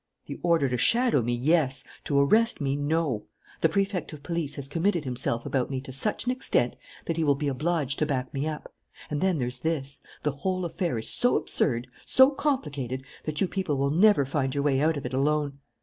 "The order to shadow me, yes; to arrest me, no. The Prefect of Police has committed himself about me to such an extent that he will be obliged to back me up. And then there's this: the whole affair is so absurd, so complicated, that you people will never find your way out of it alone.